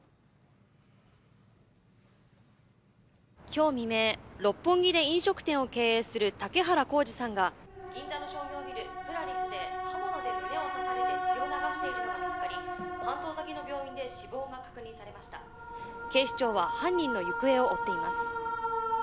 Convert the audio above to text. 今日未明六本木で飲食店を経営する竹原幸司さんが銀座の商業ビルプラリスで刃物で胸を刺されて血を流しているのが見つかり搬送先の病院で死亡が確認されました警視庁は犯人の行方を追っています